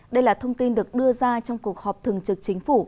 đây là thông tin được đưa ra trong cuộc họp thường trực chính phủ